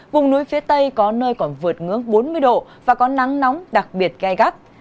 vùng núi phía tây có nơi còn vượt ngưỡng bốn mươi độ và có nắng nóng đặc biệt gai gắt